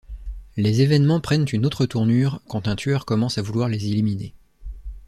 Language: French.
Les événements prennent une autre tournure quand un tueur commence à vouloir les éliminer.